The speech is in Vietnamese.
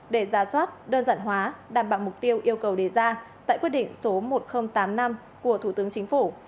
để ra soát đơn giản hóa đảm bảo mục tiêu yêu cầu đề ra tại quyết định số một nghìn tám mươi năm của thủ tướng chính phủ